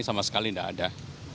sama sekali tidak ada